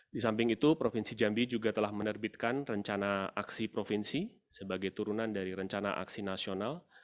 di samping itu provinsi jambi juga telah menerbitkan rencana aksi provinsi sebagai turunan dari rencana aksi nasional